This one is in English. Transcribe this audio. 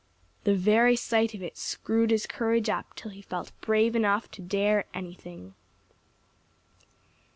The very sight of it screwed his courage up till he felt brave enough to dare anything.